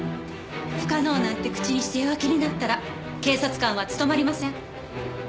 不可能なんて口にして弱気になったら警察官は務まりません。